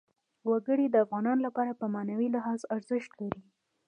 وګړي د افغانانو لپاره په معنوي لحاظ ارزښت لري.